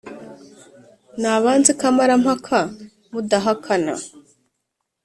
nabanze kamarampaka, mudahakana